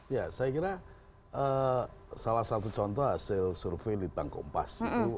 ya saya kira salah satu contoh hasil survei litbang kompas